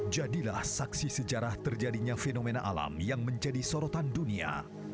jadilah saksi sejarah terjadinya fenomena alam yang menjadi sorotan dunia